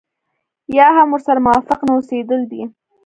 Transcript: يا هم ورسره موافق نه اوسېدل دي.